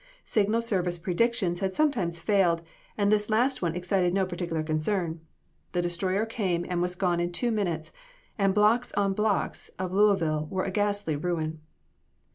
Signal Service predictions had sometimes failed, and this last one excited no particular concern. The destroyer came and was gone in two minutes; and blocks on blocks of Louisville were a ghastly ruin.